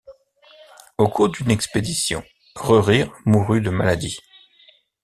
Au cours d'une expédition, Rerir mourut de maladie.